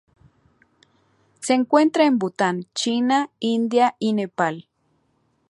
Se encuentra en Bután, China, India y Nepal.